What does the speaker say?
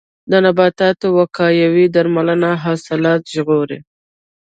د نباتاتو وقایوي درملنه حاصلات ژغوري.